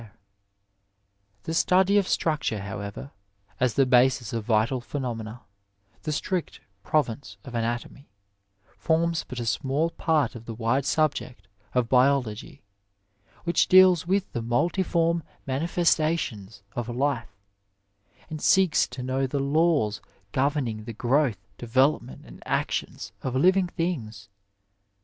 Digitized by Google THE LEAVEN OP SCIENCE The study of structure, however, as the basis of vital phenomena, the strict province of anatomy, forms but a small part of the wide subject of biology, which deals witii the multiform manifestations of life, and seeks to know the laws governing the growth, development, and actions of living things.